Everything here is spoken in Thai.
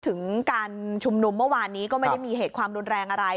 ถึงการชุมนุมเมื่อวานนี้ก็ไม่ได้มีเหตุความรุนแรงอะไร